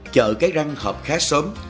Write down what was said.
chợ cái răng hợp khá sớm